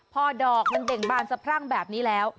พอดอกมันเบ่งบานสะพรั่งแบบนี้แล้ว